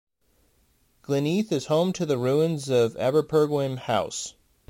Glynneath is home to the ruins of Aberpergwm House.